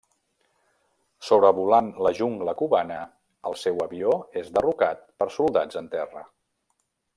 Sobrevolant la jungla cubana, el seu avió és derrocat per soldats en terra.